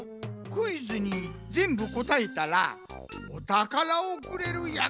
クイズにぜんぶこたえたらおたからをくれるやくそくじゃろうが！